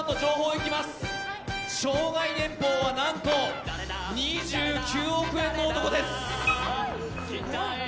生涯年俸は、なんと２９億円の男です